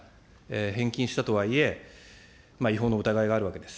返金したとはいえ、違法の疑いがあるわけです。